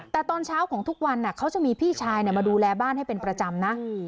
แต่ตอนเช้าของทุกวันเขาจะมีพี่ชายมาดูแลบ้านให้เป็นประจำนะ